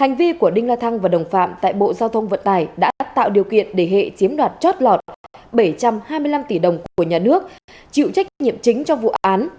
hành vi của đinh la thăng và đồng phạm tại bộ giao thông vận tài đã tạo điều kiện để hệ chiếm đoạt chót lọt bảy trăm hai mươi năm tỷ đồng của nhà nước chịu trách nhiệm chính trong vụ án